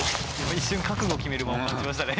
一瞬覚悟決める間を持ちましたね